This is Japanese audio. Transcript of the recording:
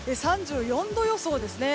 ３４度予想ですね。